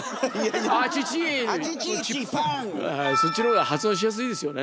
そっちの方が発音しやすいですよね